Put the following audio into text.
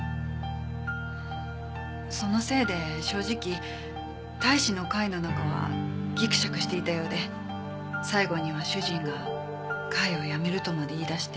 そのせいで正直隊士の会の中はギクシャクしていたようで最後には主人が会を辞めるとまで言い出して。